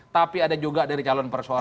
tapi ada juga dari calon persoalan